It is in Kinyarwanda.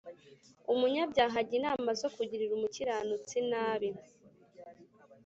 Umunyabyaha ajya inama zo kugirira umukiranutsi nabi